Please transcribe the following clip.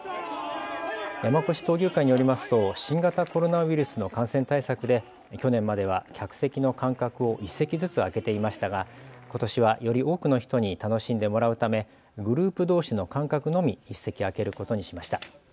山古志闘牛会によりますと新型コロナウイルスの感染対策で去年までは客席の間隔を１席ずつ空けていましたが、ことしはより多くの人に楽しんでもらうためグループどうしの間隔のみ１席空けることにしました。